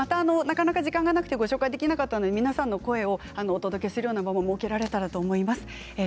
なかなか時間がなくてご紹介できなかった皆さんの声をお届けする場も設けられたらと思います。